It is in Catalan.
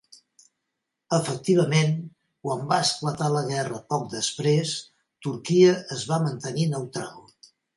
Efectivament quan va esclatar la guerra poc després, Turquia es va mantenir neutral.